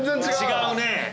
違うね。